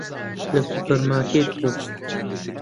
لە سوپەرمارکێت بوو.